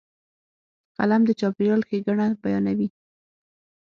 قلم د چاپېریال ښېګڼه بیانوي